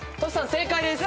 正解です。